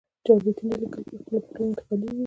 چاربیتې نه لیکل کېږي، خوله په خوله انتقالېږي.